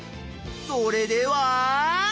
それでは。